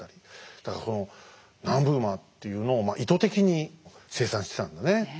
だからその南部馬っていうのを意図的に生産してたんだね。